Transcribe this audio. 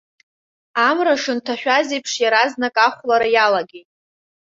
Амра шынҭашәаз еиԥш, иаразнак ахәлара иалагеит.